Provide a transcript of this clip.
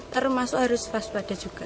termasuk harus waspada juga